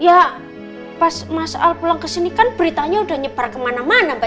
ya pas masal pulang kesini kan beritanya udah nyebar kemana mana mbak